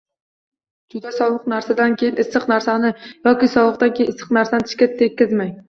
Juda sovuq narsadan keyin issiq narsani yoki sovuqdan keyin issiq narsani tishga tekkazmang.